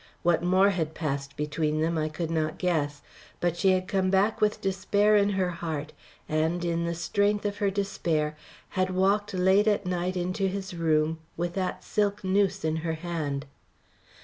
What more had passed between them I could not guess, but she had come back with despair in her heart, and, in the strength of her despair, had walked late at night into his room with that silk noose in her hand.